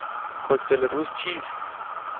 کوکتل روز چیست؟